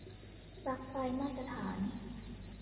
ปลั๊กไฟมาตรฐาน